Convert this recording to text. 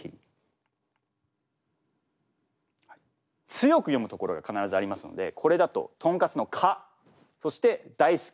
強く読む所が必ずありますのでこれだととんかつの「か」そしてだいすきの「す」ですね。